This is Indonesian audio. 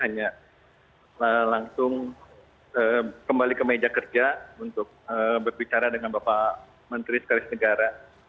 ya ini harus dilakukan secara berpengalaman hanya langsung kembali ke meja kerja untuk berbicara dengan bapak menteri sekaris negara